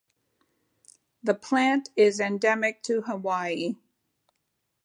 The plant is endemic to Hawaii.